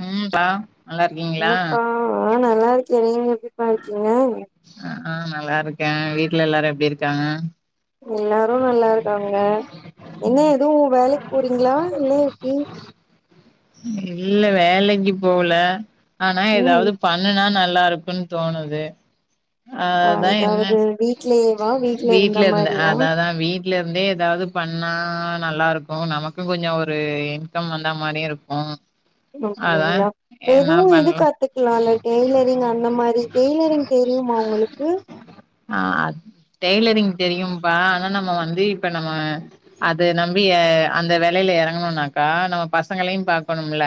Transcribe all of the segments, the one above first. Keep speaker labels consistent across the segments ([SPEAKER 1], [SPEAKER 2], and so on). [SPEAKER 1] உஹம் பா நல்லா இருக்கீங்களா
[SPEAKER 2] ஆஹ் நல்லா இருக்கேன் நீங்க எப்டி பா இரு
[SPEAKER 1] ஆஹ் நல்லா இருக்கேன் வீட்டுல எல்லாரும் எப்படி இருக்காங்க
[SPEAKER 2] எல்லாரும் நல்லா இருக்காங்க என்ன எதுவும் வேலைக் போறீங்களா இல்ல எப்டி
[SPEAKER 1] இல்ல வேலைக்கு போகல ஆனா
[SPEAKER 2] ம்
[SPEAKER 1] ஏதாவது பண்ணுனா நல் லா இருக்குன்னு தோணுது
[SPEAKER 2] ஆ
[SPEAKER 1] அதான் என்ன
[SPEAKER 2] ஏதாவது வீட்லயேவா வீட்ல இருந்த
[SPEAKER 1] வீட்டுல இருந்தே
[SPEAKER 2] மாரியா
[SPEAKER 1] அதாதான் வீட்டுலே இருந்தே ஏதாவது பண்ணா நல்லா இருக்கும் நமக்கும் கொஞ்சம் ஒரு இன்கம் வந்த மாரியு இருக்
[SPEAKER 2] ஓ ஓ அப்
[SPEAKER 1] என்ன
[SPEAKER 2] எதுவும் இது
[SPEAKER 1] பண்லா
[SPEAKER 2] கத்துக்கலாம் இல்ல டெய்லரிங் அந்த மாரி டெய்லரிங் தெர் தெரியுமா உங்களுக்கு
[SPEAKER 1] நா அத் டெய்லரிங் தெரியும்பா ஆனா நம்ம வந்து இப்ப நம்ம அத நம்பி அந்த வேலையில இறங்கணும்னாக்கா நம்ம பசங்களையும் பாக்கணும்ல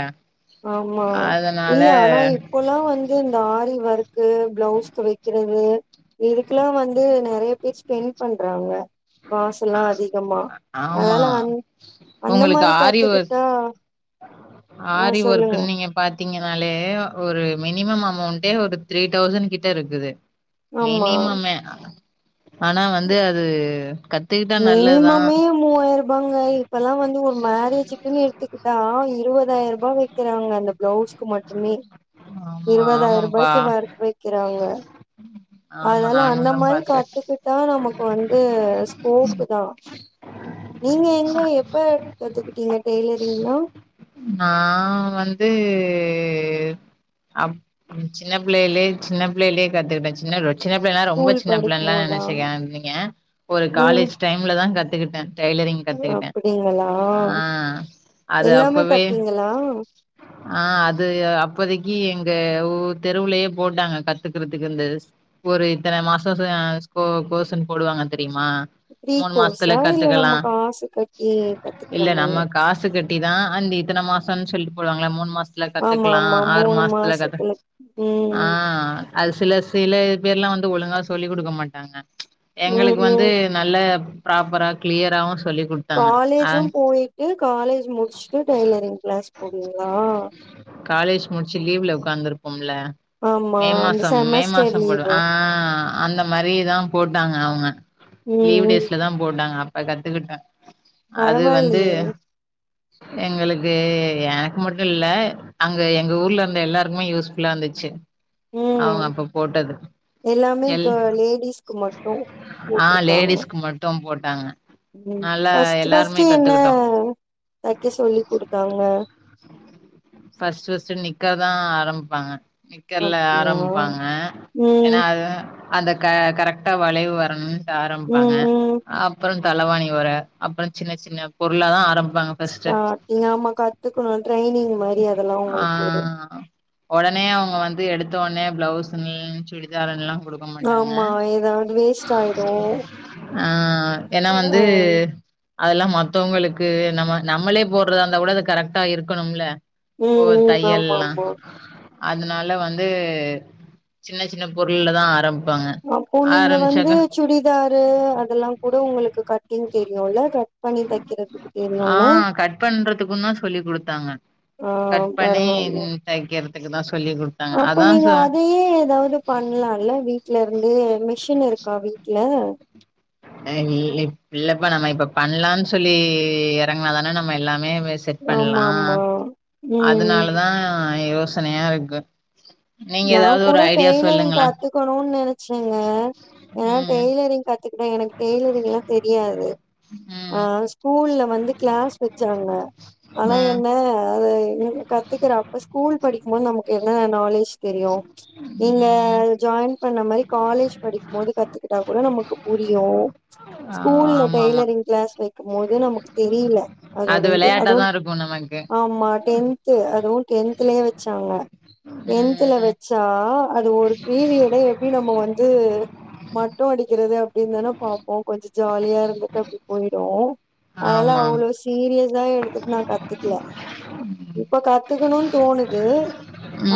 [SPEAKER 2] ஆமா
[SPEAKER 1] அதனால
[SPEAKER 2] இல்ல ஆனா இப்பல்லாம் வந்து இந்த ஆரி வொர்க் கு பிளவுஸ்க்கு வைக்கிறது இதுக்கெல்லாம் வந்து நெறைய பேர் ஸ்பெண்ட் பண்றாங்க காசு எல்லாம் அதிகமா
[SPEAKER 1] ஆமா
[SPEAKER 2] அதனால வந் அந்த
[SPEAKER 1] உங்களுக்கு
[SPEAKER 2] மாரி
[SPEAKER 1] ஆரி ஒர்க்
[SPEAKER 2] காத்துக்கிட்டா
[SPEAKER 1] ஆரி ஒர்க்குன் நீங்க பாத் தீங்கனாலே ஒரு மினிமம் அமௌண்டே ஒரு த்ரீ தௌசண்ட் கிட்ட இருக்குது
[SPEAKER 2] ஆமா
[SPEAKER 1] மினிமமே ஆனா வந்து அது கத்
[SPEAKER 2] மினிமமே மூவாயிரம் ரூபாங்க இப்பல்லாம் வந்து ஒரு மேரேஜிக்குன்னு எடுத்துக்கிட்டா இரு இருபதாயிரம் ரூபாய் வைக்கிறாங்க அந்த பிளவுஸ்க்கு மட்டுமே
[SPEAKER 1] ஆமா
[SPEAKER 2] இருபதாயிரம்
[SPEAKER 1] ஆமாப்பா
[SPEAKER 2] ரூபாய்க்கு வொர்க் வைக்கிறாங்க
[SPEAKER 1] ஆமா
[SPEAKER 2] அதனால
[SPEAKER 1] நானு
[SPEAKER 2] அந்த
[SPEAKER 1] தா
[SPEAKER 2] மாரி
[SPEAKER 1] பாக்குறே
[SPEAKER 2] கத்துக்கிட்டா நமக்கு வந்து ஸ்கோப்பு தான் நீங்க எங்க எப்ப கத்துக்கிட்டீங்க டெய்லரிங்லா
[SPEAKER 1] நா வந்து இது அப் சின்ன பிள்ளையிலே சின்ன பிள்ளையிலே கத்துகிட்டாச்சி சின்ன ரொட் சின்ன பிள்ளன்னா ரொம்ப
[SPEAKER 2] ஸ்கூல்
[SPEAKER 1] சின்ன
[SPEAKER 2] படிக்கும்
[SPEAKER 1] பிள்ளைன்லாம்
[SPEAKER 2] போதா
[SPEAKER 1] நெனச்சுக்காதீங்க ஒரு
[SPEAKER 2] ம்
[SPEAKER 1] காலேஜ் டைம்ல தா கத்துகிட்ட டெய்லரிங் கத்துகிட்ட
[SPEAKER 2] அப்டிங்களா
[SPEAKER 1] ஆஹ் அது
[SPEAKER 2] எல்லாமே
[SPEAKER 1] அப்பவே
[SPEAKER 2] தப்பீங்களா
[SPEAKER 1] ஆ அது அப்போதைக் இ எங்க ஊர் தெருவுலயே போட்டாங்க கத்துக்குறதுக்கு இந்த ஒரு இத்தன மாசம் கோ கோர்ஸ்ஸுன் போடுவாங்க தெரியுமா
[SPEAKER 2] ப்ரீ
[SPEAKER 1] மூணு மாசத்துல
[SPEAKER 2] கோர்ஸா இல்ல
[SPEAKER 1] கத்துக்கலா
[SPEAKER 2] நம்ம காசு கட்டி கத்துக்கிற
[SPEAKER 1] இல்ல
[SPEAKER 2] மாரியா
[SPEAKER 1] நம்ம காசு கட் டி தா அன்ட் இத்தன மாசம்னு சொல்லிட் போடுவாங்கள்ள மூணு மாச த்துல
[SPEAKER 2] ஆமா
[SPEAKER 1] கத்துக்கலா
[SPEAKER 2] ஆமா
[SPEAKER 1] ஆறு
[SPEAKER 2] மூணு
[SPEAKER 1] மாசத்துல கத்துக்
[SPEAKER 2] ம்
[SPEAKER 1] ஆஹ் அது சில சில பேர்லா வந்து ஒழுங்கா சொல்லி குடுக்க மாட்டாங்க எங்களுக்கு
[SPEAKER 2] ம் ம்
[SPEAKER 1] வந்து நல்ல ப்ராப்பரா க்ளியராவு
[SPEAKER 2] காலேஜும் போயிட்டு காலேஜ் முடிச்சுட்டு டெய்லரிங் கிளாஸ் போவீங்களா
[SPEAKER 1] காலேஜ் முடிச்சு லீவ்ல உக்காந்து இருப்போம்ல
[SPEAKER 2] ஆமா
[SPEAKER 1] மே
[SPEAKER 2] அந்த
[SPEAKER 1] மாசம் மே
[SPEAKER 2] செமஸ்டர்
[SPEAKER 1] மாசம் போடு
[SPEAKER 2] லீவு
[SPEAKER 1] ஆஹ் அந்த மாரிதா போட்டாங்க அவுங்க
[SPEAKER 2] ம்
[SPEAKER 1] லீவ்
[SPEAKER 2] ம்
[SPEAKER 1] டேஸ்ல தா போட்டாங்க அப்ப கத்துகிட்ட அது வந்து
[SPEAKER 2] பரவாயில்லையே
[SPEAKER 1] எங்களுக்கு எனக்கு மட்டுல்ல அங்க எங்க ஊர்லருந்த எல்லாருக்குமே யூஸ்ஃபுல்லாந்துச்சு
[SPEAKER 2] ம்
[SPEAKER 1] அவுங் அப்ப போட்டது
[SPEAKER 2] எல்லாமே
[SPEAKER 1] எல்
[SPEAKER 2] க லேடிஸ்க்கு மட்டு
[SPEAKER 1] ஆ
[SPEAKER 2] போட்ருக்காங்க
[SPEAKER 1] லேடிஸ்க்கு மட்டு போட்டாங்க
[SPEAKER 2] ம்
[SPEAKER 1] நல்லா
[SPEAKER 2] ஃபஸ்ட்டு
[SPEAKER 1] எல்லாருமே
[SPEAKER 2] ஃபஸ்ட்டு என்ன
[SPEAKER 1] கத்துக்கிட்டோ
[SPEAKER 2] தைக்க சொல்லி குடுத்தாங்க
[SPEAKER 1] ஃபஸ்ட் ஃபஸ்ட் க்க தா ஆரம்பிப்பாங்க நிக்கறல
[SPEAKER 2] அப்டியா
[SPEAKER 1] ஆரம்பிப்பாங்க
[SPEAKER 2] ம்
[SPEAKER 1] ஏன்னா அது அந்த க கரெக்டா வளைவு வரணு ஆரம்பிப்பாங்க
[SPEAKER 2] ம் ம்
[SPEAKER 1] அப்பறம் தலவாணி ஒற அப்றோ சின்ன சின்ன பொருள்ளதா ஆரம்
[SPEAKER 2] ஆ யாமா கத்துக்கணு டிரைனிங் மாரி அதெல்லா
[SPEAKER 1] ஆ
[SPEAKER 2] உங்களுக்கு ஒரு
[SPEAKER 1] ஒடனே அவுங்க வந்து எடுத்தவொனே பிளவுஸ்ன் சுடிதாருன்லா
[SPEAKER 2] ஆமா ஏதாவது வேஸ்ட்டாயிடு
[SPEAKER 1] ஆ ஏனா வந்து அதெல்லா மத்தவங்களுக்கு நம்ம நம்மளே போட்றதாந்தா கூட அது கரெக்ட்டா இருக்கணும்ல ஓ
[SPEAKER 2] ம் ம் ஆமா
[SPEAKER 1] தையல்லா
[SPEAKER 2] ஆமா
[SPEAKER 1] அதனால வந்து சின்ன சின்ன பொருள்லதா ஆரம்பிப்பாங்க
[SPEAKER 2] அப்போ நீங்க
[SPEAKER 1] ஆரம்
[SPEAKER 2] வந்து சுடிதாரு அதெல்லா கூட உங்களுக்கு கட்டிங் தெரியுல கட் பண்ணி தைக்கிறதுக்கு தெ
[SPEAKER 1] ஆ கட் பண்றதுக்குன் தா சொல்லி குடுத்தாங்க
[SPEAKER 2] ஆ
[SPEAKER 1] கட் பண்ணி
[SPEAKER 2] பரவால்ல
[SPEAKER 1] தைக்கிற
[SPEAKER 2] அப்போ நீங்க அதயே ஏதாவது பண்லால வீட்லருந்து மிஷின் இருக்காவி
[SPEAKER 1] ஆ இல்லிப் இல்லப்பா நம்ம இப்ப பண்லான் சொல்லி எறங்னாதான நம்ம எல்லாமே மெ செட் பண்லா
[SPEAKER 2] ஆமா ஆமா ம்
[SPEAKER 1] அதுனாலதா யோசனையா இர்க்கு
[SPEAKER 2] நாங்கூட டெய்லரிங் கத்துக்கணுன் நெனச்சேங்க ஏனா
[SPEAKER 1] ம்
[SPEAKER 2] டெய் ய்லரிங் கத்துக்கிட்ட எனக்கு டெய்லரிங்ளா தெரியாது ஆ
[SPEAKER 1] ம்
[SPEAKER 2] ஸ்கூல்ல வந்து க்ளாஸ் வச்சாங்க ஆனா
[SPEAKER 1] ம்
[SPEAKER 2] என்ன அது எனக்கு கத்துக்கற அப்ப ஸ்கூல் படிக்கும்போது நமக்கு என்ன நாலேஜ் தெரியு நீங்க
[SPEAKER 1] ம்
[SPEAKER 2] ஜாயின் இப்ப நம்மாரி காலேஜ் படிக்ம் போது கத்துக்கிட்டா கூட நமக்கு புரியு
[SPEAKER 1] ஆ
[SPEAKER 2] ஸ்கூல்ல
[SPEAKER 1] ஆமா ஆமா
[SPEAKER 2] டெய்லரிங் க்ளாஸ் வைக்கும் போது நமக்கு தெரியில அதோட
[SPEAKER 1] அது
[SPEAKER 2] இது
[SPEAKER 1] விளையாட்டாதா
[SPEAKER 2] அதும்
[SPEAKER 1] இருக்கு நமக்கு
[SPEAKER 2] ஆமா டென்த்து அதுவு டென்த்லே வச்சாங்க டென்த் த்துல
[SPEAKER 1] ம்
[SPEAKER 2] வச்சா அது ஒரு பீரியடே எப்டி நம்ம வந்து மட்டு அடிக்கிறது அப்டின் தான பாப்போ கொஞ்ச ஜாலியாருந்துட்டு அப்டி போயிடு அதெல்லா
[SPEAKER 1] ஆமா ஆமா
[SPEAKER 2] அவ்ளோ சீரியஸா எடுத்துட் நா கத்துக்ல இப்ப கத்துக்கணுன் தோணுது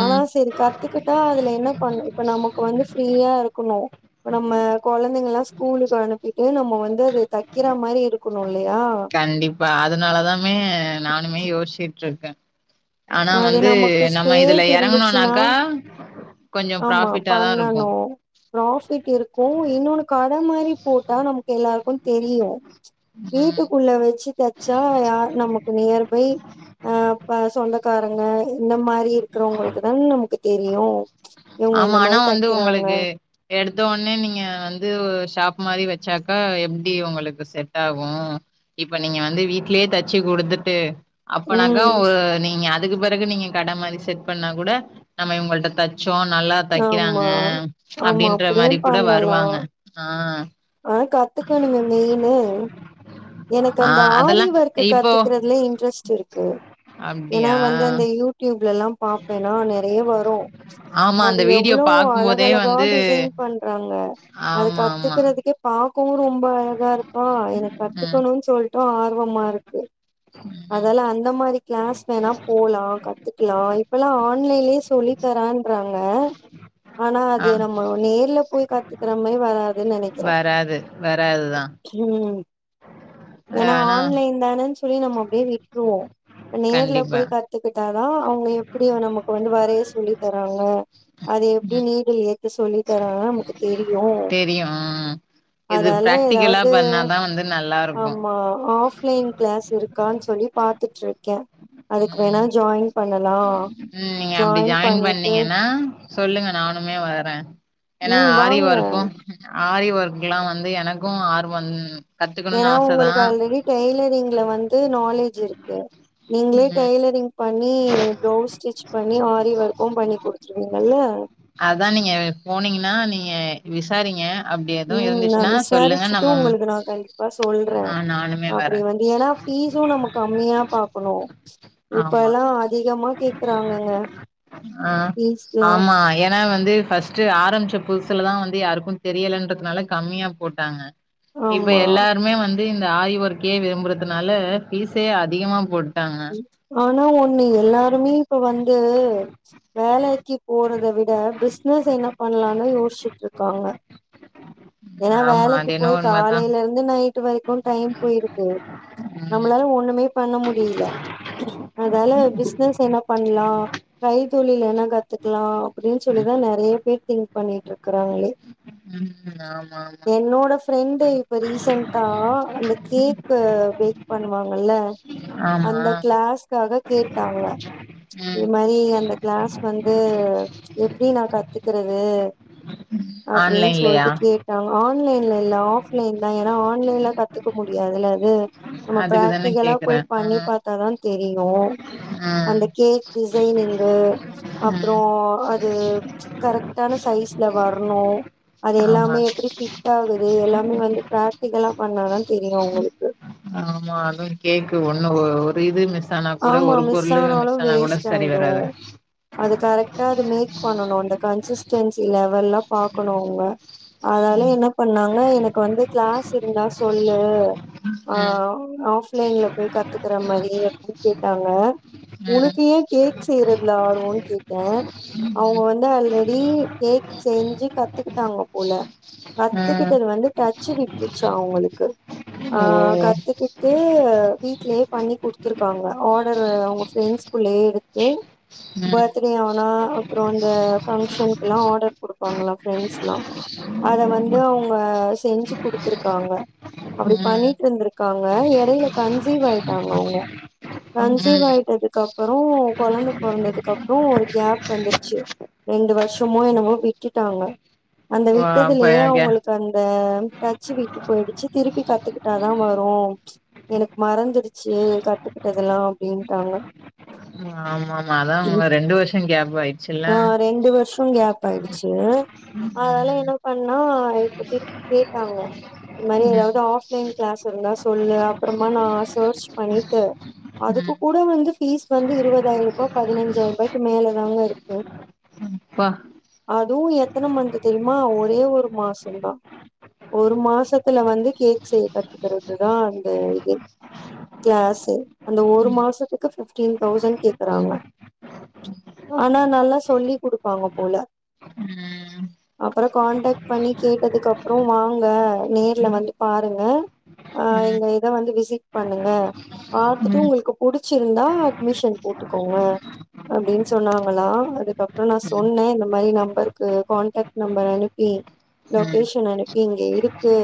[SPEAKER 2] ஆனா சேரி கத் கத்துக்கிட்டா அதுல என்ன பண்ண இப்ப நமக்கு வந்து ஃப்ரீயா இருக்கணு இப்ப நம்ம குழந்தைங்கல்லா ஸ்கூல் க்கு அனுப்பிட்டு நம்ம வந்து அது தைக்கிற மாரி இருக்கணு இல்லையா
[SPEAKER 1] கண்டிப்பா அதனாலதாமே நானுமே யோசிச் ட்ருக்க
[SPEAKER 2] அது நமக்கு
[SPEAKER 1] இதுல
[SPEAKER 2] ஸ்பேஸ் இருந்துச்சுன்னா
[SPEAKER 1] எறங்குனோனாக்கா கொஞ்சோ
[SPEAKER 2] ஆமா
[SPEAKER 1] ப்ராஃபிட்டாதா இருக்கு
[SPEAKER 2] பண்ணணு ப்ராஃபிட் இருக்கு இன்னொன்னு கட மாரி போட்டா நமக்கு எல்லாருக்கு தெரியு
[SPEAKER 1] ம்
[SPEAKER 2] வீட்டுக்குள்ள வச்சு தைச்சா யா நமக்கு நியர்பை அ அப்ப சொந்தக்காரங்க இந்த மாரி இருக்கிறவங்களுக்குதா நமக்கு. தெரியு இவங்க
[SPEAKER 1] ஆமா
[SPEAKER 2] இந்த
[SPEAKER 1] ஆனா
[SPEAKER 2] மாரி
[SPEAKER 1] வந்து
[SPEAKER 2] தைக்கிறாங்க
[SPEAKER 1] உங்களுக்கு எடுத்த உடனே நீங்க வந்து ஷாப் மாரி வச்சாக்கா எப்டி உங்களுக்கு செட் ஆகு இப்ப நீங்க வந்து வீட்லயே தச்சு கொடுத்து துட்டு அப்பனாக்கா
[SPEAKER 2] ம்
[SPEAKER 1] நீங்க அதுக்கு பிறகு நீங்க கட மாரி செட் பண்ணா கூட நம்ம இவங்கல்ட தச் சோ நல்லா
[SPEAKER 2] ஆமா
[SPEAKER 1] தைக்கிறாங்க
[SPEAKER 2] ஆமா
[SPEAKER 1] அப்டின்ற
[SPEAKER 2] அப்டியு
[SPEAKER 1] மாரி கூட
[SPEAKER 2] பண்ணலா
[SPEAKER 1] வருவாங்க ஆ
[SPEAKER 2] ஆனா கத்துக்கணுமே மெயினு எனக்கு
[SPEAKER 1] ஆ
[SPEAKER 2] அந்த
[SPEAKER 1] அதெல்லா
[SPEAKER 2] ஆரிவொர்க்கு
[SPEAKER 1] இப்போ
[SPEAKER 2] கத்துக்கிறதுல இன்ட்ரெஸ்ட் இருக்கு ஏனா
[SPEAKER 1] அப்டியா
[SPEAKER 2] வந்து அந்த யூடியூப்லல்லா பாப்பேனா நெறைய வரு
[SPEAKER 1] ஆமா
[SPEAKER 2] அது
[SPEAKER 1] அந்த வீடியோ
[SPEAKER 2] எவ்ளோ
[SPEAKER 1] பாக்கும்போதே
[SPEAKER 2] அழகழகா
[SPEAKER 1] வந்து
[SPEAKER 2] டிசைன் பண்றாங்க அது
[SPEAKER 1] ஆமா ஆமா
[SPEAKER 2] கத்துக்கிறதுக்கே பாக்கவு ரொம்ப அழகா இருக்கா எனக்கு
[SPEAKER 1] ம்
[SPEAKER 2] கத்துக்கணு சொல் ட்டு ஆர்வமா இருக்கு அதால அந்த மாரி க்ளஸ் வேணா போலா கத்துக்லா இப்பெல்லா ஆன்லைன்லே சொல்லி த ரன்றாங்க ஆனா
[SPEAKER 1] ஆ
[SPEAKER 2] அது நம்ம நேர்ல போய் கத்துக்கிற மாரி வராதுன் நெனைக்கிற
[SPEAKER 1] வராது வராதுதா
[SPEAKER 2] ஏனா
[SPEAKER 1] ஆனா
[SPEAKER 2] ஆன்லைன் தான தோழி நம்ம அப்டியே விட்ருவோ நேர்ல
[SPEAKER 1] கண்டிப்பா
[SPEAKER 2] போய் கத்துக்கிட்டா தா அவங்க எப்டி நமக்கு வந்து வரைய சொல்லி தராங்க அது எப்டி
[SPEAKER 1] ம்
[SPEAKER 2] நீடில் ஏ சொல்லி தர நமக்கு தெரியு
[SPEAKER 1] தெரியு ம் இது
[SPEAKER 2] அதால
[SPEAKER 1] பிராக்டிகலா
[SPEAKER 2] ஏதாவது
[SPEAKER 1] பண்ணாதா வந்து நல்லா இருக்கு
[SPEAKER 2] ஆமா ஆப்லைன் க்ளஸ் இருக்கான் சொல்லி பாத்துட்ருக்க அதுக்கு வேணா
[SPEAKER 1] ம்
[SPEAKER 2] ஜாய்ன்
[SPEAKER 1] ம் நீங்க அப்டி ஜாய்ன்
[SPEAKER 2] பண்ணிட்டு
[SPEAKER 1] பண்ணீங்கனா சொல்லுங்க நானுமே வர ஏனா
[SPEAKER 2] ம்
[SPEAKER 1] ஆரி
[SPEAKER 2] வாங்க
[SPEAKER 1] ஒர்க்கு ஆரி ஒர்க்குல்லாம் வந்து எனக்கு ஆர்வோ
[SPEAKER 2] ஏனா உங்களுக்கு அல்ரெடி டெய்லரிங்ல வந்து நாலேஜ் இருக்கு நீங்ளே
[SPEAKER 1] ம்
[SPEAKER 2] டெய்லரிங் பண்ணி ப்ளவுஸ் ஸ்டிச் பண்ணி ஆரி ஒர்க்கு பண்ணி குடுத்துருவீங்கல்ல
[SPEAKER 1] க போனீங்கனா நே விசாரிங்க
[SPEAKER 2] ம் நா
[SPEAKER 1] இருந்துச்சுன்னா சொல்லுங்க
[SPEAKER 2] விசாரிச்சிட்டு
[SPEAKER 1] நம்ம
[SPEAKER 2] உங்களுக்கு நா கண்டிப்பா சொல்ற
[SPEAKER 1] ஆ நானுமே வரே
[SPEAKER 2] அப்டி வந்து ஏனா பீஸு நம்ம கம்மியா பாக்கணு இப்ப
[SPEAKER 1] ஆமா
[SPEAKER 2] எல்லா ஆ அதிகமா கேக்குறாங்கங்க
[SPEAKER 1] ஆ
[SPEAKER 2] ஃபீஸ்லா
[SPEAKER 1] ஆமா ஏனா வந்து ஃபஸ்ட்டு ஆரம்பிச்ச பு துல தா வந்து யாருக்கு தெரியலன்றதுனால கம்மியா போட்டாங்க இப்ப
[SPEAKER 2] ஆமா
[SPEAKER 1] எல்லாருமே வந் து இந்த ஆரி ஒர்க்கே விரும்புறதுனால பீஸே அதிகமா போடு
[SPEAKER 2] ஆனா ஒன் னு எல்லாருமே இப்ப வந்து வேலைக்கி போறத விட பிஸ்னஸ் என்ன பண் ல்லாமே யோஸ்ச்சுட்ருக்காங்க ஏனா
[SPEAKER 1] ஆமா
[SPEAKER 2] வலைக்கு
[SPEAKER 1] அது
[SPEAKER 2] போய்
[SPEAKER 1] என்னவோ உண்மதா
[SPEAKER 2] காலைல இருந்து நைட்டு வரைக்கு டைம் போய்ருது
[SPEAKER 1] ம்
[SPEAKER 2] நம்ளால ஒண்ணுமே பண்ண முடியல அதால பிஸ்னஸ் என்ன பண்லா கை தொழில் என்ன கத்துக்லா அப்டின் சொல்லி தா நெறய பேர் திங்க் பண்ணிட்ருக்கறாங்ளே
[SPEAKER 1] ம் ஆமா ஆமா
[SPEAKER 2] என்னோட ஃப்ரெண்டு இப்ப ரீசண்டா ஆ அந்த கேக்கு பேக் பண்ணுவாங்கல்ல
[SPEAKER 1] ஆமா
[SPEAKER 2] அந்த க்ளஸ்காக கேட்டாங்க
[SPEAKER 1] ம்
[SPEAKER 2] இது மாரி அந்த க்ளஸ் வந்து அ எப்டி நா கத்துக்குறது அப்டின்
[SPEAKER 1] ஆன்லைன்லயா
[SPEAKER 2] சொல்ட்டு கேட்டாங்க ஆன்லைன்ல இல்ல ஆஃப்லைன் தா ஏனா ஆன்லைன்ல கத்துக்க முடியாதுல இது நம்ம
[SPEAKER 1] அதுக்குதான
[SPEAKER 2] ப்ரக்டிகலா
[SPEAKER 1] கேக்குறே
[SPEAKER 2] போய் பண்ணி
[SPEAKER 1] ம்
[SPEAKER 2] பாத்தாதா தெரியு
[SPEAKER 1] ம்
[SPEAKER 2] அந்த கேக் டிசைனிங்கு அப்றோ
[SPEAKER 1] ம்
[SPEAKER 2] அது கரெக்டான சை ஸ்ல வர்ணு அது
[SPEAKER 1] ஆமா
[SPEAKER 2] எல்லாமே எப்டி ஃபிட்டாகுது எல்லாமே வந்து ப்ரக்டிகலா பண்ணாதா தெரியு அவுங்களுக்கு
[SPEAKER 1] க்கு ஒண்ணு ஒ ஒரு இது மிஸ் ஆனா கூட
[SPEAKER 2] ஆமா
[SPEAKER 1] ஒரு
[SPEAKER 2] மிஸ்
[SPEAKER 1] பொருளு
[SPEAKER 2] ஆனாலு
[SPEAKER 1] மிஸ் ஆனா கூட
[SPEAKER 2] வேஸ்ட்
[SPEAKER 1] சரி
[SPEAKER 2] ஆயிடு
[SPEAKER 1] வராது
[SPEAKER 2] அது கரெக்டா அது மேக் பண்ணணு அந்த கன்சிஸ்டன்சி லெவல்லா பாக்கணு அவுங்க அதால என்ன பண்ணாங்க எனக்கு வந்து க்ளஸ் இருந்தா சொல்லு ஆ
[SPEAKER 1] ம்
[SPEAKER 2] ஆஃப்லைன்ல போய் கத்துக்கிற மாரி அப்டின் கேட்டாங்க
[SPEAKER 1] ம்
[SPEAKER 2] உனக்கு ஏ கேக் செய்றதுல ஆர்வோன் கேட்ட அவுங்க வந்து ஆல்ரெடி கேக் செய்ஞ்சு கத்துக்கிட்டாங்கோ போல
[SPEAKER 1] ம்
[SPEAKER 2] கத்துக்கிட்டது வந்து டச்சு விட்டுருச்சா அவுங்களுக்கு ஆ
[SPEAKER 1] ஓ
[SPEAKER 2] கத்துக்கிட்டு வீட்லியே பண்ணி குடுத்துரு க்காங்க ஆடரு அவுங்க ஃபிரெண்ட்ஸ்குள்ளயே எடுத்து
[SPEAKER 1] ம்
[SPEAKER 2] பத்டே ஆனா அப்பறோ அந்த பங்க்ஷன்க்குலா ஆடர் குடுப்பாங்களா ஃப்ரெண்ட்ஸ்லா அத வந்து அவுங்க செஞ்சி குடுத்துருக்காங்க அப்டி
[SPEAKER 1] ம்
[SPEAKER 2] பண்ணிட்டுருந்திருக்காங்க எடையில கன்சீவ் ஆயிட்டாங்க அவுங்க கன்சீவ்
[SPEAKER 1] ம்
[SPEAKER 2] ஆயிட்டதுக்கப்பறோ கொழந்த பொறந்ததுக்கப்புறோ ஒரு கேப் வந்துருச்சி ரெண்டு வருஷமோ என்னமோ விட்டுட்டாங்க அந்த
[SPEAKER 1] ஓ அப்ப
[SPEAKER 2] விட்டதிலியே
[SPEAKER 1] கே
[SPEAKER 2] அவுங்களுக்கு அந்த க டச்சி விட்டு போயிடுச்சி திருப்பி கத்துக்கிட்டாதா வரு எனக் மறந்துடுச்சி கத்துக்கிட்டதெல்லா அப்டின்ட்டாங்க
[SPEAKER 1] ஆமாமா அதா அவுங்க ரெண்டு வர்ஷோ கேப் ஆயிட்ச்சில்ல
[SPEAKER 2] ஆ ரெண்டு வருஷோ கேப் ஆயிடுச்சு அதனால என்ன பண்ணா இப்ப திருப்பி கேட்டாங்க இ மாரி
[SPEAKER 1] ம்
[SPEAKER 2] எதாவது ஆஃப்லைன் கிளாஸ் இருந்தா சொல்லு அப்பறமா நா சேர்ச் பண்ணிட்டு அதுக்கு
[SPEAKER 1] ம்
[SPEAKER 2] கூட வந்து ஃபீஸ் வந்து இருவதாயி ருபா பதினஞ்சாயிர்பாய்க்கு மேல தாங்க இருக்கு
[SPEAKER 1] அப்பா
[SPEAKER 2] அதுவு எத்தன மந்த் தெரியுமா ஒரே ஒரு மாசந்தா ஒரு மாச த்துல வந்து கேக் செய்ய கத்துக்கறது தா அந்த இது கிளாஸு இந்த ஒரு மாசத்துக்கு பிஃப்டீன் தௌசண் கேக்கறாங்க ஆனா நல்லா சொல்லி குடுப்பாங்க போல
[SPEAKER 1] ம்
[SPEAKER 2] அப்பற கான்டாக் பண்ணி கேட்டதுக்கப்புறோ வாங்க நேர்ல வந்து பாருங்க அ
[SPEAKER 1] ம்
[SPEAKER 2] எங்க இத வந்து விசிட் பண்ணுங்க பாத்துட்டு
[SPEAKER 1] ம்
[SPEAKER 2] உங்குளுக்கு புடிச்சிருந்தா அட்மிஷன் போட்டுக்கோங்க அப்டின் சொன்னாங்களா அதுக்கப்புறோ நா
[SPEAKER 1] ம்
[SPEAKER 2] சொன்னே இந்த மாரி நம்பர்க்கு கான்டாக்ட் நம்பர் அனுப்பி
[SPEAKER 1] ம்
[SPEAKER 2] லொகேஷன் அனுப்பி இங்க இருக்கு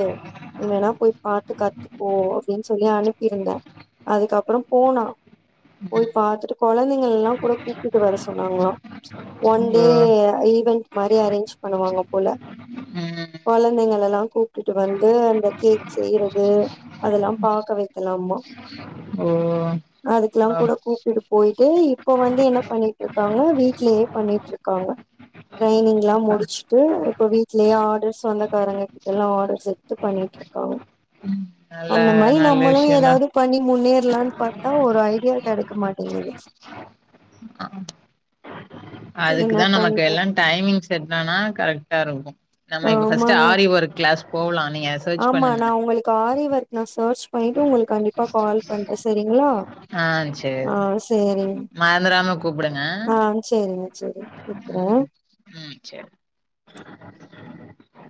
[SPEAKER 2] நீ வேணா போய் பாத்து கத்துக்கோ அப்டின் சொல்லி அனுப்பிருந்தே அதுக்கப்பறம் போனா போய் பாத்துட்டு கொழந்தைங்களெல்லா கூட கூப்டுட்டு வர சொன்னாங்களா ஒன்
[SPEAKER 1] ஓ
[SPEAKER 2] டே ஈவன்ட் மாரி அரேஞ்ச் பண்ணுவாங்க போல
[SPEAKER 1] ம்
[SPEAKER 2] கொழந்தைங்களெல்லா கூப்டுட்டு வந்து அந்த கேக் செய்றது அதெல்லாம் பாக்க வெ க்கலாம்மா
[SPEAKER 1] ஓ
[SPEAKER 2] அ அதுக்குலாங் கூட
[SPEAKER 1] அப்பா
[SPEAKER 2] கூப்டுட்டு போயிட்டு இப்ப வந்து என்ன பண்ணிட்டுருக்காங்க வீட்லியே பண்ணிட்டுருக் காங்க ட்ரெய்னிங்லாம் முடிச்சிட்டு இப்ப வீட்லியே ஆடர்ஸ் சொந்தக்காரங்க கிட்டல்லா ஆடர்ஸ் எடுத்து பண்ணி ட்ருக்காங்
[SPEAKER 1] நல்ல
[SPEAKER 2] அந்த மாரி
[SPEAKER 1] நல்ல
[SPEAKER 2] நம்மளு
[SPEAKER 1] விஷயந்தா
[SPEAKER 2] எதாவுது முன்னேற்லான் பாத்தா ஒரு ஐடியா கெடக்க மாட்டிங்கிது
[SPEAKER 1] அ அ
[SPEAKER 2] என்ன
[SPEAKER 1] அதுக்குதா நமக்கு
[SPEAKER 2] பண்றது
[SPEAKER 1] எல்லா டைமிங் செட்டானா கரெக்டா இருக்கு நம்ம இப்ப ஃபஸ்ட்டு
[SPEAKER 2] ஆமாங்க
[SPEAKER 1] ஆரி ஒர்க் கிளாஸ் போவலா
[SPEAKER 2] ஆமா நா உங்களுக்கு ஆரி ஒர்க் நா சேர்ச் பண்ணிட்டு உங்குளுக் கண்டிப்பா கால் பண்றே செரிங்ளா
[SPEAKER 1] ஆ
[SPEAKER 2] ஆ
[SPEAKER 1] சேரி
[SPEAKER 2] சேரிங்
[SPEAKER 1] மறந்துராம கூப்புடுங்க
[SPEAKER 2] ஆ சேரிங் செரி வெக்கிறே
[SPEAKER 1] ம் சேர்